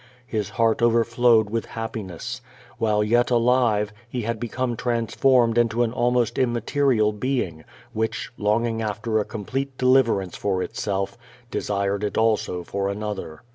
His heart over flowed witli happiness. While yet alive, he had become trans formed int\an almost immaterial being, wliich, longing after a complete d^verance for itself, desired it also for another.